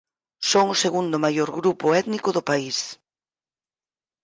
Son o segundo maior grupo étnico do país.